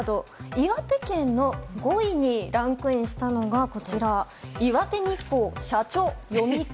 岩手県の５位にランクインしたのは「岩手日報社長読み方」。